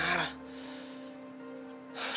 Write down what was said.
haruah diangkat lagi sama kinar